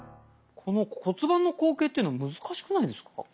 この骨盤の後傾っていうの難しくないですか？